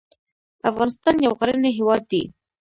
افغانستان يو غرنی هېواد دی